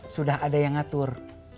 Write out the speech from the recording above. sudah ada yang ngatur